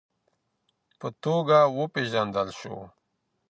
په توګه وپېژندل سو